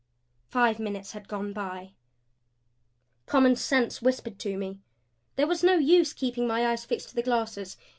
Five minutes had gone by. Common sense whispered to me. There was no use keeping my eyes fixed to the glasses.